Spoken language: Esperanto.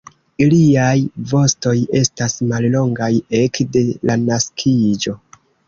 Iliaj vostoj estas mallongaj ekde la naskiĝo.